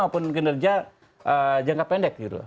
maupun kinerja jangka pendek gitu